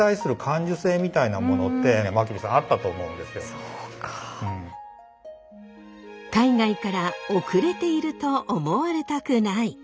そういう海外から後れていると思われたくない。